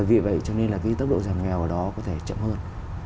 vì vậy cho nên là cái tốc độ giảm nghèo ở đó có thể chậm hơn